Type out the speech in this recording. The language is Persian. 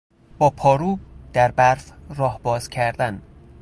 با پارو در برف راه باز کردن